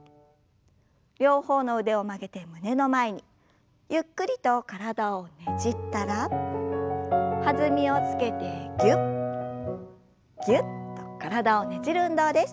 両方の腕を曲げて胸の前にゆっくりと体をねじったら弾みをつけてぎゅっぎゅっと体をねじる運動です。